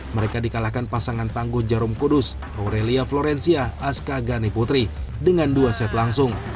mereka dikalahkan pasangan tangguh jarum kudus aurelia florencia aska gane putri dengan dua set langsung